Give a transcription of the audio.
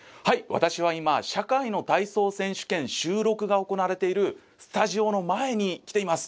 私は今「社会の体操選手権」収録が行われているスタジオの前に来ています。